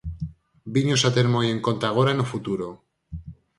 Viños a ter moi en conta agora e no futuro.